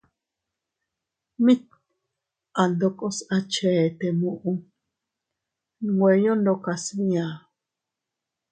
Mit andokos a chete muʼu nweyo ndokas bia.